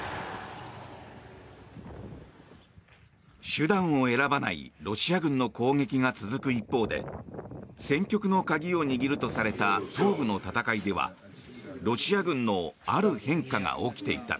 手段を選ばないロシア軍の攻撃が続く一方で戦局の鍵を握るとされた東部の戦いではロシア軍のある変化が起きていた。